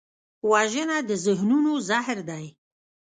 وژنه د ذهنونو زهر دی